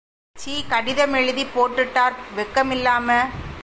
சீ, கடிதம் எழுதிப்போட்டுட்டார் வெக்கமிலாமே!